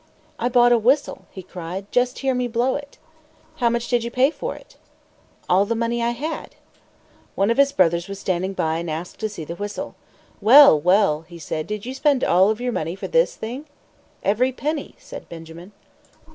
"I bought a whistle!" he cried. "Just hear me blow it!" "How much did you pay for it?" "All the money I had." One of his brothers was standing by and asked to see the whistle. "Well, well!" he said, "did you spend all of your money for this thing?" "Every penny," said Benjamin.